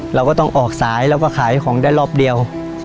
เราก็ต้องออกสายแล้วก็ขายของได้รอบเดียว